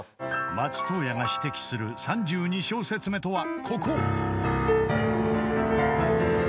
［松任谷が指摘する３２小節目とはここ］